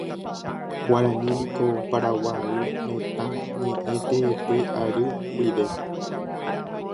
Guarani niko Paraguay retã ñeʼẽ teete ary guive.